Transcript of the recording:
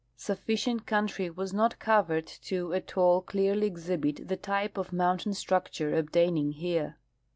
Sufficient country was not cov ered to at all clearly exhibit the type of mountain structure obtaining here.